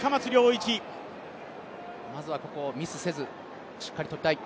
まずはここをミスせず、しっかり跳びたい。